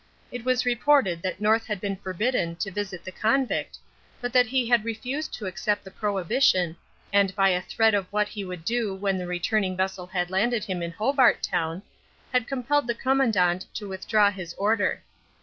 It was reported that North had been forbidden to visit the convict, but that he had refused to accept the prohibition, and by a threat of what he would do when the returning vessel had landed him in Hobart Town, had compelled the Commandant to withdraw his order.